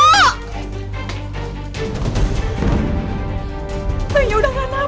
bayinya udah nggak nafas